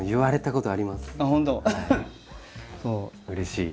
うれしい。